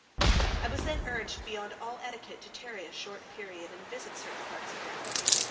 I was then urged beyond all etiquette to tarry a short period and visit certain parts of their world.